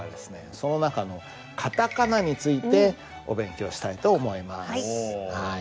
その中のカタカナについてお勉強したいと思います。